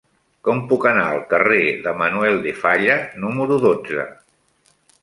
Com puc anar al carrer de Manuel de Falla número dotze?